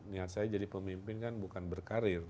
niat saya jadi pemimpin kan bukan berkarir